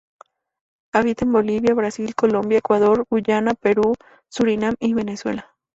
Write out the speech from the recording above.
Habita en Bolivia, Brasil, Colombia, Ecuador, Guyana, Perú, Surinam y Venezuela.